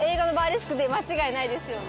間違いないですよね？